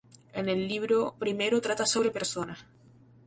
En el Libro I trata sobre personas.